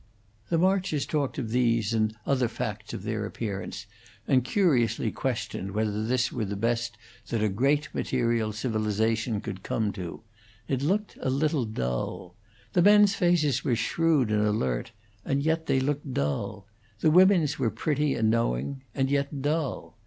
The Marches talked of these and other facts of their appearance, and curiously questioned whether this were the best that a great material civilization could come to; it looked a little dull. The men's faces were shrewd and alert, and yet they looked dull; the women's were pretty and knowing, and yet dull.